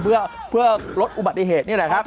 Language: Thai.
เพื่อลดอุบัติเหตุนี่แหละครับ